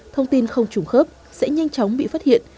thông tin không trùng khớp sẽ nhanh chóng bị phát hiện